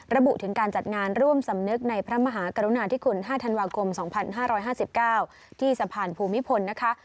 ระบุถึงการจัดงานร่วมสำนึกในพระมหากรุณาธิคุณ๕ธันวาคม๒๕๕๙ที่สะพานภูมิพลนะคะ